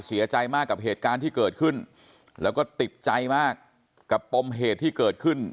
เสียใจมากกับเหตุการณ์ที่เกิดขึ้นแล้วก็ติดใจมากกับปมเหตุที่เกิดขึ้น